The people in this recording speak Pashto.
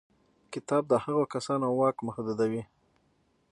کتاب د هغو کسانو واک محدودوي.